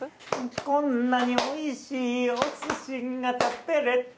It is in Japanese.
「こんなにおいしいお寿司が食べれて」